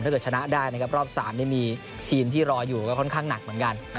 ชนะได้นะครับรอบ๓มีทีมที่รออยู่ก็ค่อนข้างหนักเหมือนกัน